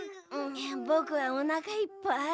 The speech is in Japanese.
ぼくはおなかいっぱい。